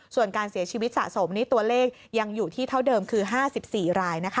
ส่วนการเสียชีวิตสะสมนี่ตัวเลขยังอยู่ที่เท่าเดิมคือ๕๔รายนะคะ